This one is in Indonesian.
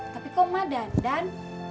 tapi kok emak dandan